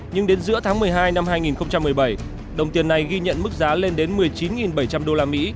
nhưng đến giữa tháng một mươi hai năm hai nghìn một mươi bảy đồng tiền này ghi nhận mức giá lên đến một mươi chín bảy trăm linh usd